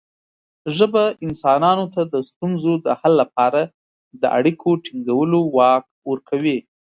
ژبه انسانانو ته د ستونزو د حل لپاره د اړیکو ټینګولو واک ورکوي.